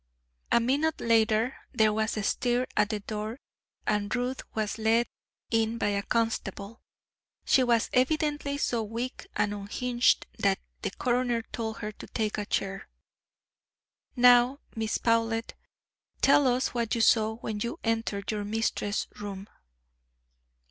A minute later there was a stir at the door, and Ruth was led in by a constable. She was evidently so weak and unhinged that the coroner told her to take a chair. "Now, Miss Powlett, tell us what you saw when you entered your mistress's room."